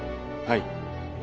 はい。